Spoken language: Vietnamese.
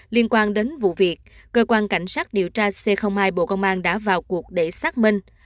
liên quan đến vụ việc cơ quan cảnh sát điều tra c hai bộ công an đã vào cuộc để xác minh